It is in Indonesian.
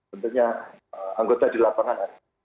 tentunya anggota di lapangan